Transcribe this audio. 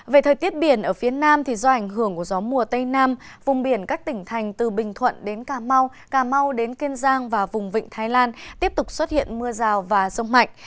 về thời tiết biển ở phía nam do ảnh hưởng của gió mùa tây nam vùng biển các tỉnh thành từ bình thuận đến cà mau cà mau đến kiên giang và vùng vịnh thái lan tiếp tục xuất hiện mưa rào và rông mạnh